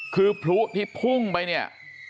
คือพลุที่พุ่งไปเนี่ย